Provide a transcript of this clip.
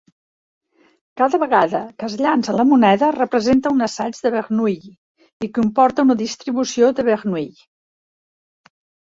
Cada vegada que es llança la moneda representa un assaig de Bernoulli i comporta una distribució de Bernoulli.